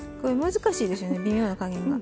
難しいですよね、微妙な加減が。